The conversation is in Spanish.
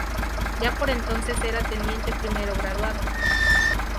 Ya por entonces era Teniente primero graduado.